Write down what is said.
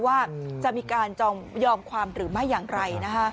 ว่าจะมีการยอมความหรือไม่อย่างไร